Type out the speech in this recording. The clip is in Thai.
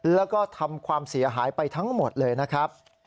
แล้วก็ทำความเสียหายไปทั้งหมดเลยนะครับ